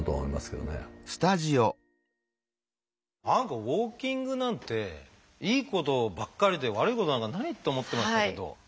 何かウォーキングなんていいことばっかりで悪いことなんかないと思ってましたけど。